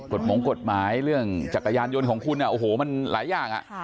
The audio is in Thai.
หมงกฎหมายเรื่องจักรยานยนต์ของคุณโอ้โหมันหลายอย่าง